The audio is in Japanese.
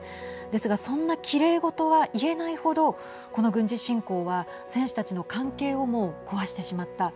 ですが、そんなきれい事は言えないほどこの軍事侵攻は選手たちの関係をも壊してしまった。